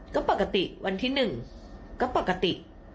ก็ปกติวันที่๑ก็ปกติ